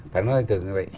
phải nói từng như vậy